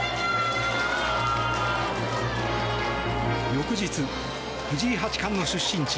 翌日、藤井八冠の出身地